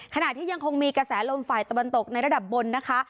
ยังคงมีกระแสลมฝ่ายตะวันตกในระดับบนนะคะ